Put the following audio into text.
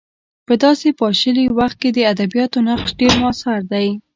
په داسې پاشلي وخت کې د ادبیاتو نقش ډېر موثر دی.